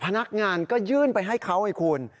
พนักงานก็ยื่นไปให้เขาไอ้คุณ